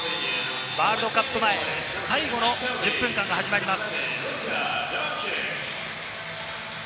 ワールドカップ前、最後の１０分間が始まります。